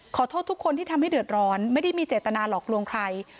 ขอโทษทุกคนที่ทำให้เดือดร้อนไม่ได้มีเจตนาหลอกลวงใคร